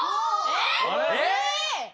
えっ？